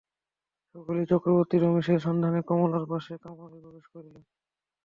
সকালেই চক্রবর্তী রমেশের সন্ধানে কমলার পাশের কামরায় প্রবেশ করিলেন।